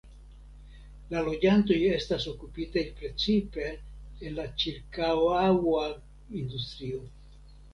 La loĝantoj estas okupitaj precipe en la ĉirkaŭa industrio.